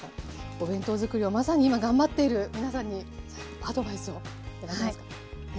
お弁当づくりをまさに今頑張っている皆さんにアドバイスを頂けますか。